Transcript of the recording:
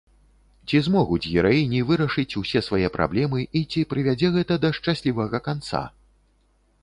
Ці змогуць гераіні вырашыць усе свае праблемы і ці прывядзе гэта да шчаслівага канца?